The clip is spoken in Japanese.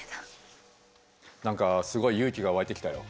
何かすごい勇気が湧いてきたよ。